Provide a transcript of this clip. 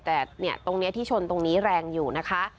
แต่ตรงนี้ที่ชนตรงนี้แรงอยู่นะคะ